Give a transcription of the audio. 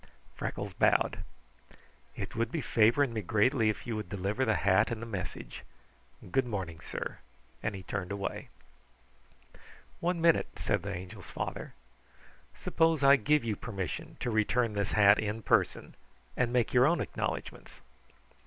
Freckles bowed. "It would be favoring me greatly if you would deliver the hat and the message. Good morning, sir," and he turned away. "One minute," said the Angel's father. "Suppose I give you permission to return this hat in person and make your own acknowledgments."